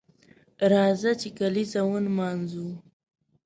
راځه چې کالیزه ونمانځو